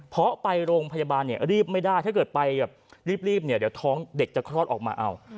เพราะไปโรงพยาบาลเนี่ยรีบไม่ได้ถ้าเกิดไปแบบรีบเนี่ยเดี๋ยวท้องเด็กจะคลอดออกมาเอา